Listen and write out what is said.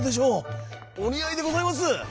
おにあいでございます！